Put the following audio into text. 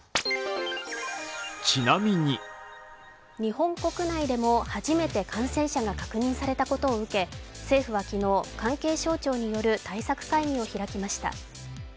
日本国内でも初めて感染者が確認されたことを受け政府は昨日、関係省庁による対策会議を開きました。